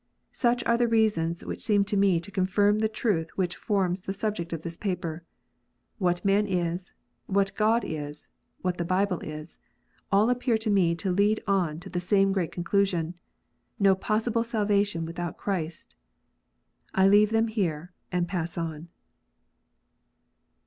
Such are the reasons which, seem to me to confirm the truth which forms the subject of this paper. What man is, what God is, what the Bible is, all appear to me to lead on to the same great conclusion : no possible salvation without Christ. I leave them here, and pass on.